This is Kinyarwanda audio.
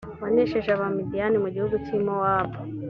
wanesheje abamidiyani mu gihugu cy i mowabu